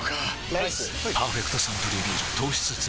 ライス「パーフェクトサントリービール糖質ゼロ」